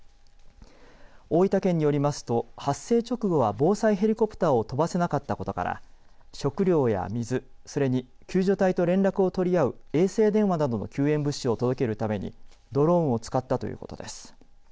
大分県によりますと発生直後は防災ヘリコプターを飛ばせなかったことから食料や水、それに救助隊と連絡を取り合う衛星電話などの救援物資を届けるためにドローンを使ったということです。